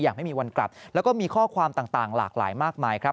อย่างไม่มีวันกลับแล้วก็มีข้อความต่างหลากหลายมากมายครับ